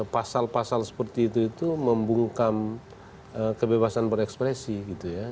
pasal pasal seperti itu itu membungkam kebebasan berekspresi gitu ya